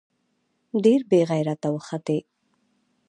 ډېر بې غېرته وختې.